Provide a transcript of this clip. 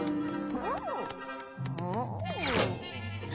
うん。